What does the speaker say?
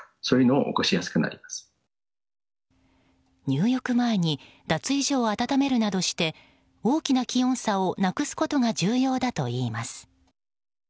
入浴前に脱衣所を暖めるなどして大きな気温差をなくすことが重要だといいます。